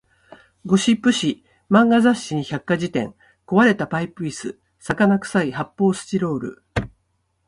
ゴシップ誌、漫画雑誌に百科事典、壊れたパイプ椅子、魚臭い発砲スチロール